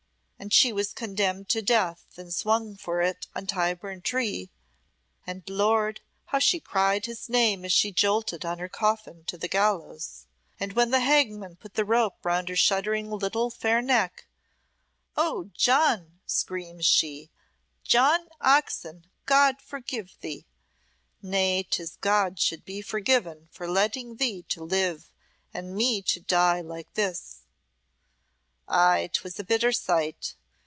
And she was condemned to death, and swung for it on Tyburn Tree. And, Lord! how she cried his name as she jolted on her coffin to the gallows, and when the hangman put the rope round her shuddering little fair neck. 'Oh, John,' screams she, 'John Oxon, God forgive thee! Nay, 'tis God should be forgiven for letting thee to live and me to die like this.' Aye, 'twas a bitter sight!